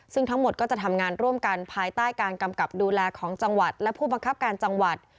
ซึ่งทั้งหมดก็จะทำงานร่วมกันภายใต้การกำกับดูแลของจังหวัดและผู้บังคับการจังหวัด